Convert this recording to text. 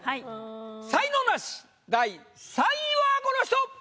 才能ナシ第３位はこの人！